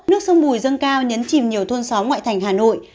nước sông bùi dâng cao nhấn chìm nhiều thôn xóm ngoại thành hà nội